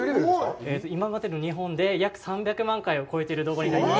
今までの２本で約３００万回を超えている動画になります。